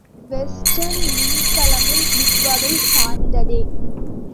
Western மின்கலமும் இவ்வகை சார்ந்ததே.